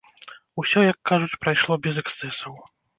Усё, як кажуць, прайшло без эксцэсаў.